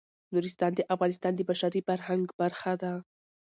نورستان د افغانستان د بشري فرهنګ برخه ده.